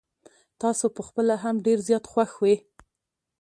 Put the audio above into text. تاسو په خپله هم ډير زيات خوښ وې.